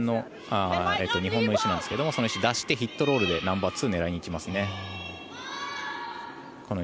日本の石その石出して、ヒットロールでナンバーツー狙いにいきますね。